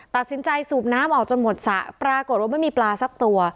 ตัดสินใจสูบน้ำออกจนหมดสระปรากฏว่าไม่มีปลาสักตัว